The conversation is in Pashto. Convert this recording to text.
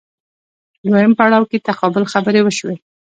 دویم پړاو کې تقابل خبرې وشوې